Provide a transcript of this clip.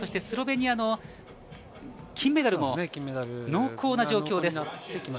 スロベニアの金メダルも濃厚な状況です。